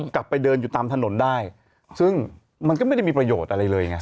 กลับไปเดินอยู่ตามถนนได้ซึ่งมันก็ไม่ได้มีประโยชน์อะไรเลยไง